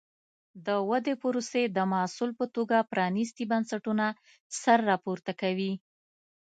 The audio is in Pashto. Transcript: د ودې پروسې د محصول په توګه پرانیستي بنسټونه سر راپورته کوي.